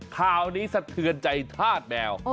ข่าวนี้สะเทือนใจธาตุแมว